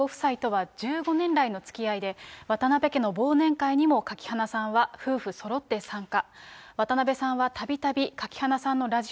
渡辺徹さんご夫妻とは１５年来のつきあいで、渡辺家の忘年会にも垣花さんは夫婦そろって参加。